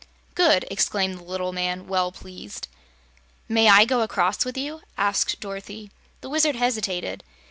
"Good!" exclaimed the little man, well pleased. "May I go across with you?" asked Dorothy. The Wizard hesitated.